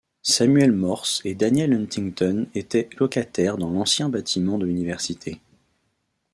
Samuel Morse et Daniel Huntington étaient locataires dans l'ancien bâtiment de l'université.